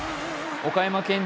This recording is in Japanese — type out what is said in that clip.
岡山県勢